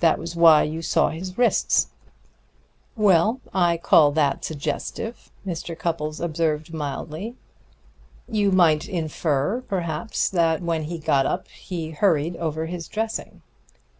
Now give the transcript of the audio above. That was why you saw his wrists." "Well, I call that suggestive," observed Mr. Cupples mildly. "You might infer, perhaps, that when he got up he hurried over his dressing."